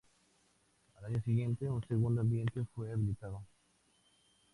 Al año siguiente un segundo ambiente fue habilitado.